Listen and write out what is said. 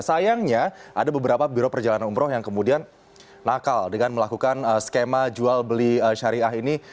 sayangnya ada beberapa biro perjalanan umroh yang kemudian nakal dengan melakukan skema jual beli syariah ini